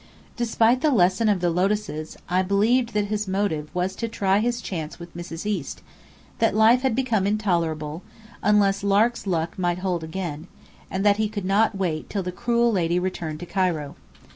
Despite the lesson of the lotuses, I believed that his motive was to try his chance with Mrs. East; that life had become intolerable, unless "Lark's Luck" might hold again; and that he could not wait till the cruel lady returned to Cairo.